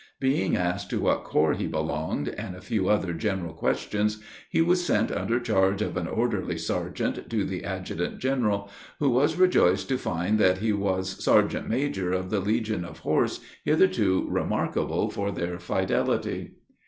Being asked to what corps he belonged, and a few other general questions, he was sent under charge of an orderly sergeant to the adjutant general, who was rejoiced to find that he was sergeant major of the legion of horse, hitherto remarkable for their fidelity.